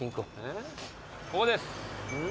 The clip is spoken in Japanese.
ここです。